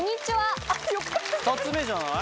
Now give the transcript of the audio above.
２つ目じゃない？